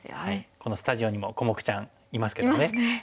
このスタジオにもコモクちゃんいますけどね。